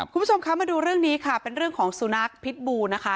คุณผู้ชมคะมาดูเรื่องนี้ค่ะเป็นเรื่องของสุนัขพิษบูนะคะ